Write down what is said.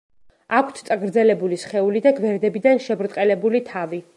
აქვთ წაგრძელებული სხეული და გვერდებიდან შებრტყელებული თავი.